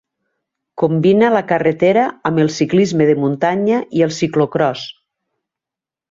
Combina la carretera amb el ciclisme de muntanya i el ciclocròs.